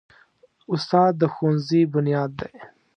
استاد د ښوونځي بنیاد دی.